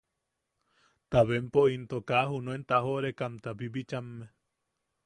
Ta bempo into kaa junuen tajoʼorekamta bibichamme.